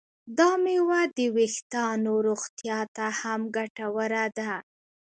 دا میوه د ویښتانو روغتیا ته هم ګټوره ده.